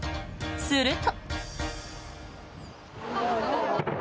すると。